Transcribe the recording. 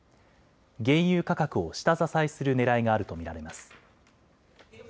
原油価格を下支えするねらいがあると見られます。